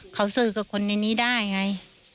เขาสื่อกับคนในนี้ได้ไง